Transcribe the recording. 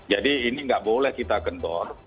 jadi ini tidak boleh kita kendor